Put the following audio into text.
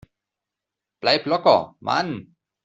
Bleib locker, Mann!